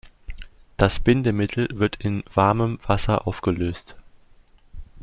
Das Bindemittel wird in warmem Wasser aufgelöst.